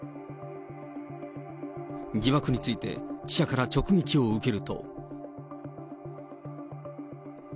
疑惑について記者から直撃を受けると。